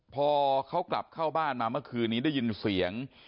พอเขากลับเข้าบ้านมาเมื่อคืนนี้ได้ยินเสียง